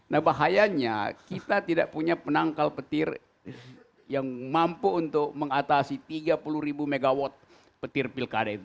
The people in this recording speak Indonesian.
nah bahayanya kita tidak punya penangkal petir yang mampu untuk mengatasi tiga puluh ribu megawatt petir pilkada itu